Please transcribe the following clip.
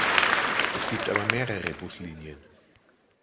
Es gibt aber mehrere Buslinien.